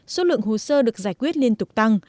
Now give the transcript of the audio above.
số lượng hồ sơ được giải quyết liên tục tăng